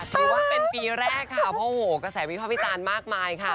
ถือว่าเป็นปีแรกค่ะเพราะโหกระแสวิภาพวิจารณ์มากมายค่ะ